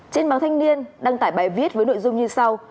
trên báo thanh niên đăng tải bài viết với nội dung như sau